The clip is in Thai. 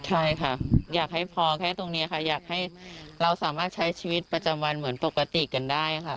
ใช่ค่ะอยากให้พอแค่ตรงนี้ค่ะอยากให้เราสามารถใช้ชีวิตประจำวันเหมือนปกติกันได้ค่ะ